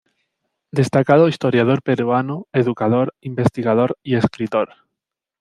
Destacado historiador peruano, educador, investigador y escritor.